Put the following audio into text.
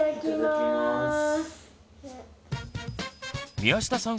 宮下さん